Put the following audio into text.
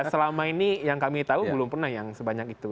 selama ini yang kami tahu belum pernah yang sebanyak itu